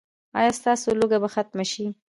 ایا ستاسو لوږه به ختمه شي؟